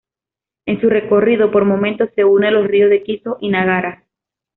En su recorrido, por momentos, se une a los ríos de Kiso y Nagara.